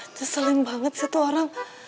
nyeselin banget sih tuh orang